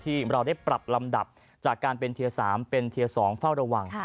ที่เราได้ปรับลำดับจากการเป็นเทียร์๓เป็นเทียร์๒เฝ้าระวัง